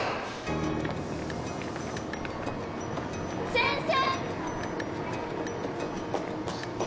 先生！